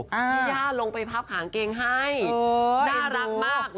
ย่าลงไปพับขางเกงให้น่ารักมาก